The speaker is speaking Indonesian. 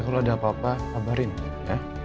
kalau ada apa apa kabarin ya